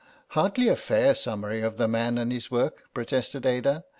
"Hardly a fair summary of the man and his work," protested Ada.